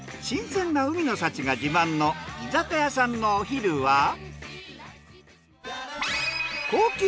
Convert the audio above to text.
新鮮な海の幸が自慢の居酒屋さんのお昼は？